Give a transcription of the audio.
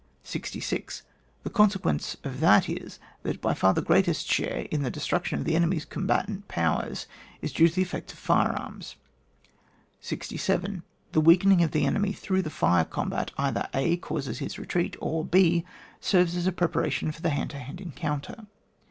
66. The consequence of that is, that by far the greatest share in the des truction of the enemy*s combatant powers is due to the effect of fire arms. 67. The weakening of the enemy through the fire combat, either — a. Causes his retreat, or, h. Serves as a preparation for the hand to hand encoimter.